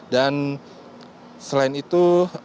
dan selain itu